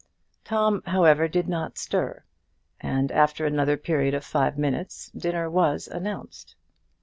Tom, however, did not stir, and after another period of five minutes dinner was announced.